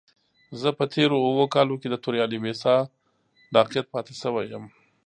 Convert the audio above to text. زه په تېرو اوو کالو کې د توريالي ويسا ناقد پاتې شوی يم.